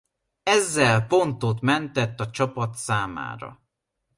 Ezzel pontot mentett a csapat számára.